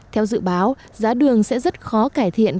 theo dự báo giá đường sẽ rất khó cải thiện